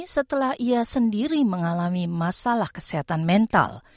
setelah ia sendiri mengalami masalah kesehatan mental